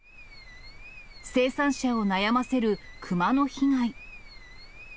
生産者を悩ませる熊の被害。